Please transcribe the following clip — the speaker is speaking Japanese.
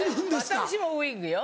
私もウィッグよ。